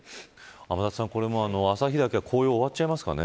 天達さん、旭岳紅葉終わっちゃいますかね。